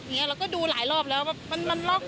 อย่างนี้เราก็ดูหลายรอบแล้วว่ามันล็อก